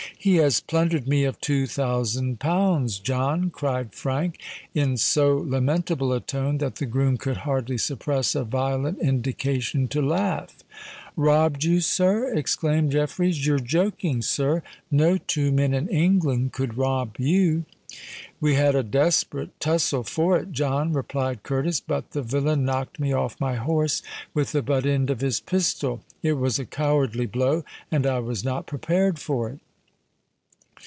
"He has plundered me of two thousand pounds, John," cried Frank, in so lamentable a tone that the groom could hardly suppress a violent indication to laugh. "Robbed you, sir!" exclaimed Jeffreys. "You're joking, sir: no two men in England could rob you." "We had a desperate tussle for it, John," replied Curtis; "but the villain knocked me off my horse with the butt end of his pistol. It was a cowardly blow—and I was not prepared for it."